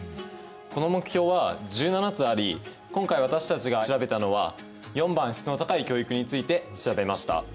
この目標は１７つあり今回私たちが調べたのは４番「質の高い教育」について調べました。